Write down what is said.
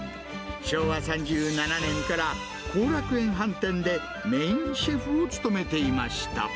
昭和３７年から後楽園飯店でメインシェフを務めていました。